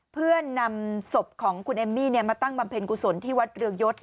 เพื่อนำศพของคุณเอมมี่มาตั้งบำเพ็ญกุศลที่วัดเรืองยศ